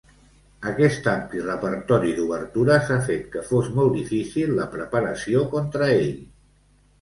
Aquest ampli repertori d'obertures ha fet que fos molt difícil la preparació contra ell.